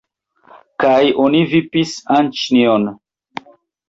Kaj oni vipis Anĉjon.